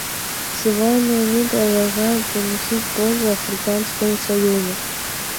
Сегодня они продолжают приносить пользу Африканскому союзу.